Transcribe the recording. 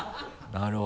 なるほど。